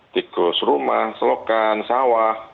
tikus rumah selokan sawah